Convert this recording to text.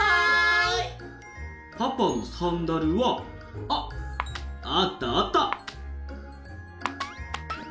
パパのサンダルはあっあったあった！